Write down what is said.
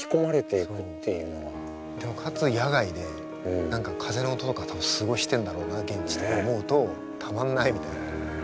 でもかつ野外で何か風の音とか多分すごいしてんだろうな現地とか思うとたまんないみたいな。